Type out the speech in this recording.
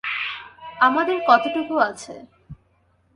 আমাদের কতটুকু আছে?